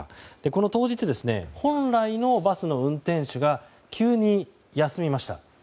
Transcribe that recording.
この当日、本来のバスの運転手が急に休みました。